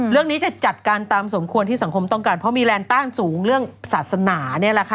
จะจัดการตามสมควรที่สังคมต้องการเพราะมีแลนดต้านสูงเรื่องศาสนานี่แหละค่ะ